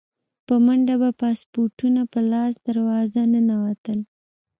په منډه به پاسپورټونه په لاس دروازه ننوتل.